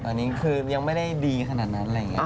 ตอนนี้คือยังไม่ได้ดีขนาดนั้น